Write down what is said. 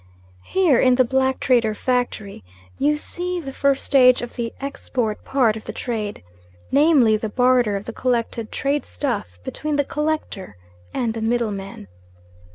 Here, in the black trader factory, you see the first stage of the export part of the trade: namely the barter of the collected trade stuff between the collector and the middleman.